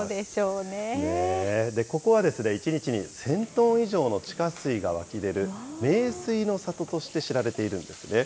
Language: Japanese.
ねえ、ここはですね、１日に１０００トン以上の地下水が湧き出る名水の里として知られているんですね。